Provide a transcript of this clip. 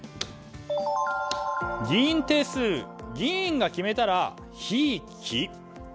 議員定数議員が決めたらひいき？